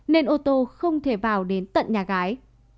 nên ô tô không thể vào đến tận nhà gái